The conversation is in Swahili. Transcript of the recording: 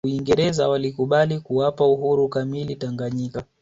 uingereza walikubali kuwapa uhuru kamili tanganyika